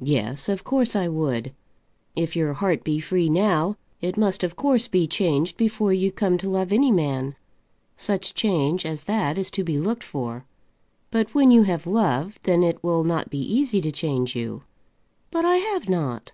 "Yes, of course I would. If your heart be free now, it must of course be changed before you come to love any man. Such change as that is to be looked for. But when you have loved, then it will not be easy to change you." "But I have not."